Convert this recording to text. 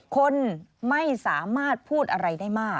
คนไม่สามารถพูดอะไรได้มาก